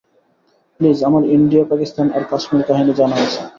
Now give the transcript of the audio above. Please, আমার India Pakistan আর কাশ্মীর কাহিনী জানা আছে।